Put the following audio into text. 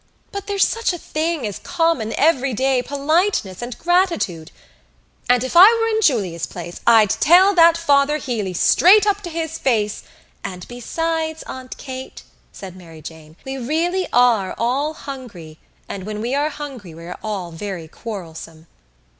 But there's such a thing as common everyday politeness and gratitude. And if I were in Julia's place I'd tell that Father Healey straight up to his face...." "And besides, Aunt Kate," said Mary Jane, "we really are all hungry and when we are hungry we are all very quarrelsome."